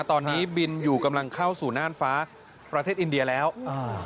ตอนนี้บินอยู่กำลังเข้าสู่น่านฟ้าประเทศอินเดียแล้วอ่า